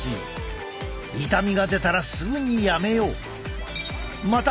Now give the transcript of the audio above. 痛みが出たらすぐにやめよう。